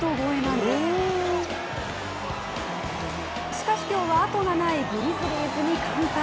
しかし、今日はあとがないグリズリーズに完敗。